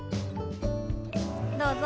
どうぞ。